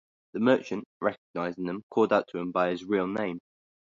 The merchant, recognizing him, called out to him by his real name.